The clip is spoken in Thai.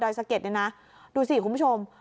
สะเก็ดเนี่ยนะดูสิคุณผู้ชม